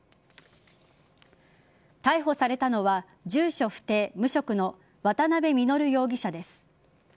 逮捕されたのは住所不定無職の渡部稔容疑者です。